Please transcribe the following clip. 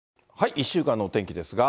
１週間のお天気ですが。